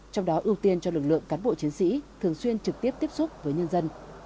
trong đó ưu tiên cho lực lượng cán bộ chiến sĩ thường xuyên trực tiếp tiếp xúc với nhân dân